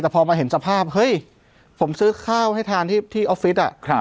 แต่พอมาเห็นสภาพเฮ้ยผมซื้อข้าวให้ทานที่ออฟฟิศ